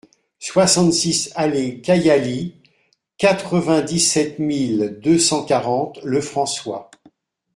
soixante-six allée Kayali, quatre-vingt-dix-sept mille deux cent quarante Le François